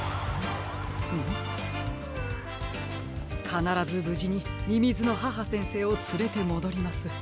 かならずぶじにみみずの母先生をつれてもどります。